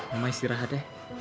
mama istirahat ya